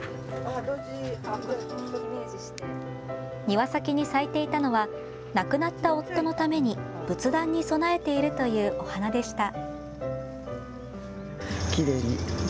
庭先に咲いていたのは亡くなった夫のために仏壇に供えているというお花でした。